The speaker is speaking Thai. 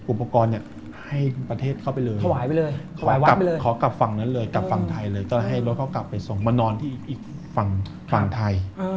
อุปกรณ์เนี่ยให้ประเทศเข้าไปเลยถวายไปเลยถวายวัดไปเลยขอกลับฝั่งนั้นเลยกลับฝั่งไทยเลยก็เลยให้รถเขากลับไปส่งมานอนที่อีกฝั่งฝั่งไทย